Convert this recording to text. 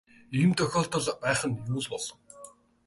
Ийм тохиолдол байх нь юу л бол.